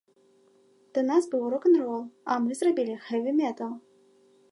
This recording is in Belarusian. Да нас быў рок-н-рол, а мы зрабілі хэві метал!